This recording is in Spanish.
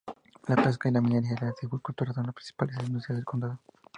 La pesca, la minería y la silvicultura son las principales industrias del condado.